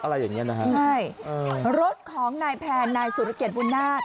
อะไรอย่างเงี้นะฮะใช่รถของนายแพนนายสุรเกียจบุญนาฏ